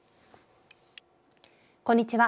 こんにちは。